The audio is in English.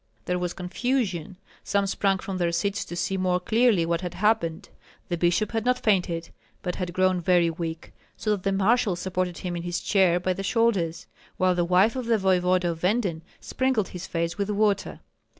There was confusion. Some sprang from their seats to see more clearly what had happened. The bishop had not fainted, but had grown very weak, so that the marshal supported him in his chair by the shoulders, while the wife of the voevoda of Venden sprinkled his face with water.